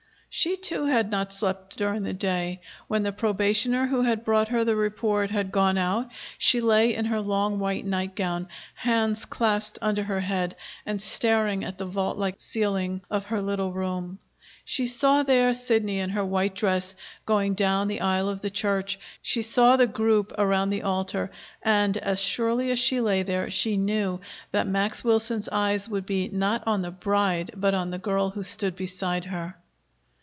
She, too, had not slept during the day. When the probationer who had brought her the report had gone out, she lay in her long white night gown, hands clasped under her head, and stared at the vault like ceiling of her little room. She saw there Sidney in her white dress going down the aisle of the church; she saw the group around the altar; and, as surely as she lay there, she knew that Max Wilson's eyes would be, not on the bride, but on the girl who stood beside her.